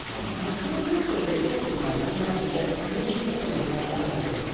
数十分でひょうというのはやみますので、無理に外に出歩かないことですね。